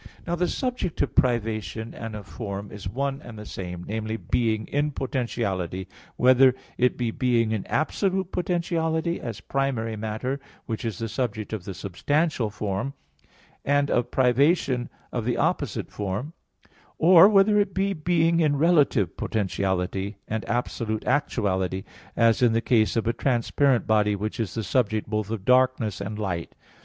Now, the subject of privation and of form is one and the same viz. being in potentiality, whether it be being in absolute potentiality, as primary matter, which is the subject of the substantial form, and of privation of the opposite form; or whether it be being in relative potentiality, and absolute actuality, as in the case of a transparent body, which is the subject both of darkness and light.